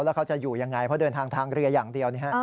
แล้วเขาจะอยู่ยังไงเพราะเดินทางทางเรืออย่างเดียว